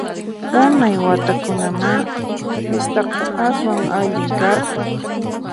Unay watakunamá fistaqa aswan allin karqan!